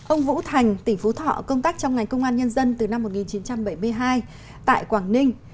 ông vũ thành tỉnh phú thọ công tác trong ngành công an nhân dân từ năm một nghìn chín trăm bảy mươi hai tại quảng ninh